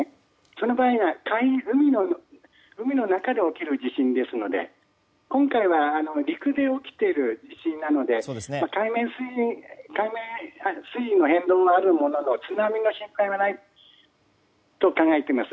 その場合は海の中で起きる地震ですので今回は陸で起きている地震なので海面水位の変動はあるものの津波の心配はないと考えています。